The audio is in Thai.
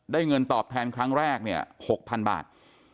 ได้เงินตอบแทนครั้งแรก๖๐๐๐บาท